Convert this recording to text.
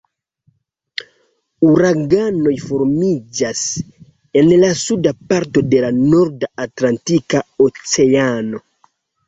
Uraganoj formiĝas en la suda parto de la Norda Atlantika Oceano.